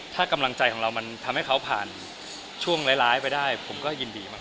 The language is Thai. ถ้ากำลังใจของเรามันทำให้เขาผ่านช่วงร้ายไปได้ผมก็ยินดีมาก